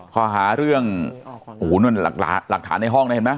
ข้อหาเรื่องโอ้โหนั่นหลักฐานในห้องนะเห็นไหม